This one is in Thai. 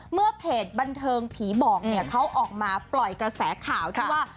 เมื่อเพจบันเทิงผีบอกเนี่ยเขาออกมาปล่อยกระแสข่าวที่ว่า